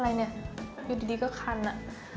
อะไรเนี่ยอยู่ดีก็คันอ่ะ